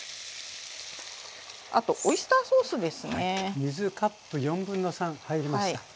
あとオイスターソースですね。